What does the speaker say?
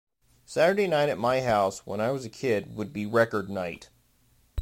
Saturday night at my house, when I was a kid, would be record night.